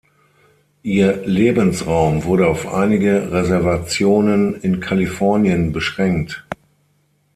Ihr Lebensraum wurde auf einige Reservationen in Californien beschränkt.